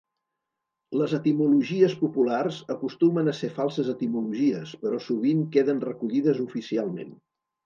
Les etimologies populars acostumen a ser falses etimologies però sovint queden recollides oficialment.